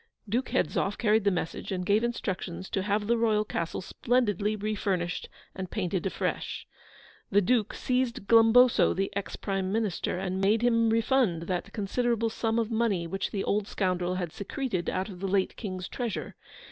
Duke Hedzoff carried the message, and gave instructions to have the Royal Castle splendidly refurnished and painted afresh. The Duke seized Glumboso, the Ex Prime Minister, and made him refund that considerable sum of money which the old scoundrel had secreted out of the late King's treasure.